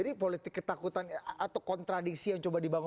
jadi politik ketakutan atau kontradiksi yang coba dibangun